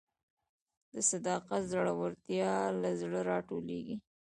صداقت د زړورتیا له زړه راټوکېږي.